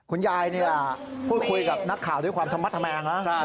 คุณยายพูดคุยกับนักข่าวด้วยความธรรมแงงนะ